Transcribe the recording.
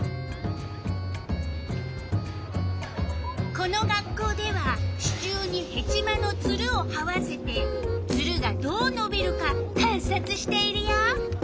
この学校では支柱にヘチマのツルをはわせてツルがどうのびるか観察しているよ。